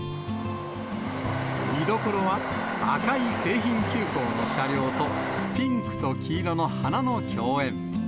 見どころは、赤い京浜急行の車両と、ピンクと黄色の花の共演。